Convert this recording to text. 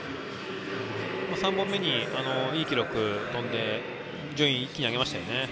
３本目にいい記録を跳んで順位を一気に上げましたね。